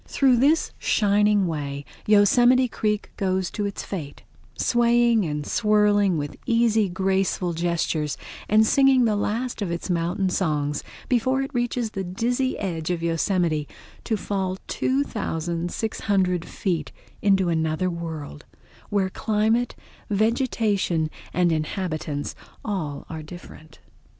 Through this shining way Yosemite Creek goes to its fate, swaying and swirling with easy, graceful gestures and singing the last of its mountain songs before it reaches the dizzy edge of Yosemite to fall 2600 feet into another world, where climate, vegetation, inhabitants, all are different.